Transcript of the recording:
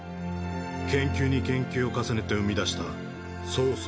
研究に研究を重ねて生み出したソースの深み